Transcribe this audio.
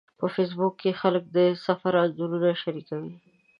په فېسبوک کې خلک د سفر انځورونه شریکوي